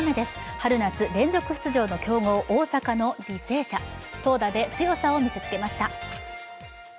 春夏連続出場の強豪、大阪の履正社投打で強さを見せつけました。